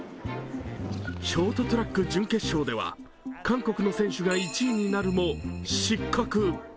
ショートトラック準決勝では韓国の選手が１位になるも失格。